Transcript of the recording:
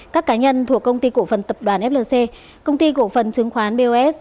các cá nhân thuộc công ty cổ phần tập đoàn flc công ty cổ phần chứng khoán bos